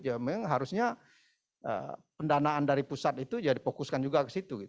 ya memang harusnya pendanaan dari pusat itu ya dipokuskan juga ke situ